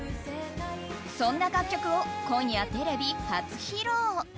そんな楽曲を今夜、テレビ初披露。